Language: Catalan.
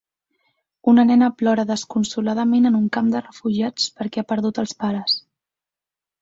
Una nena plora desconsoladament en un camp de refugiats perquè ha perdut els pares.